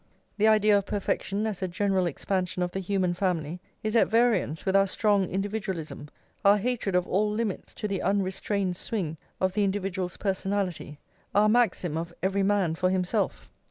The idea of perfection as a general expansion of the human family is at variance with our strong individualism, our hatred of all limits to the unrestrained swing of the individual's personality, our maxim of "every man for himself."